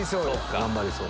頑張りそう。